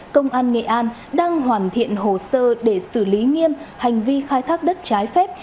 công an nghệ an đang hoàn thiện hồ sơ để xử lý nghiêm hành vi khai thác đất trái phép